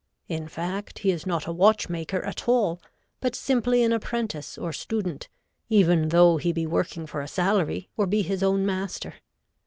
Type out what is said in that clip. In fact, he is not a watchmaker at all, but simply an apprentice or student, even though he be working for a salary or be his own master.